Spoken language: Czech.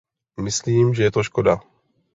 Myslím, že je to škoda!